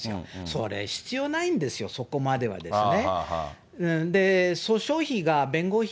それ、必要ないんですよ、そこまではですね。